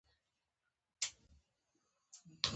هغه د عملي ژوند په اړه هیڅ نه پوهېده